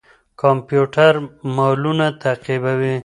کمپيوټر مالونه تعقيبوي.